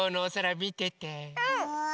うん！